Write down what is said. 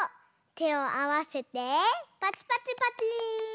てをあわせてパチパチパチー！